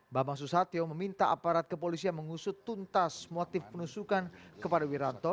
bambang susatyo meminta aparat kepolisian mengusut tuntas motif penusukan kepada wiranto